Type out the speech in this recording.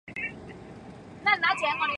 最外侧脚趾无法接触地面。